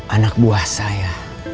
anak buah saya